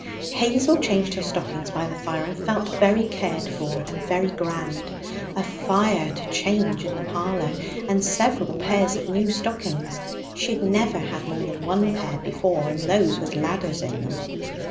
Hazel changed her stockings by the fire, and felt very cared for and very grand. A fire to change in the parlour! And several pairs of new stockings! She had never had more than one pair before, and those with 'ladders' in them.